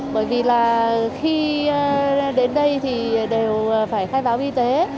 bởi vì là khi đến đây thì đều phải khai báo y tế